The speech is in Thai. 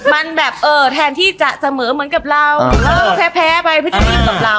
มันแบบเออแทนที่จะเสมอเหมือนกับเราอ่าแล้วก็แพ้แพ้ไปพิจารณีกับเรา